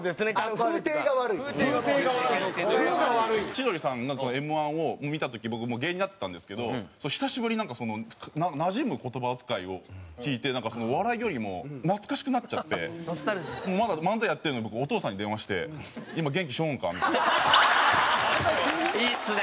千鳥さんのＭ−１を見た時僕もう芸人になってたんですけど久しぶりになんかそのなじむ言葉遣いを聞いて笑いよりも懐かしくなっちゃってまだ漫才やってるのに僕お父さんに電話して「今元気しょんか？」みたいな。いいっすね！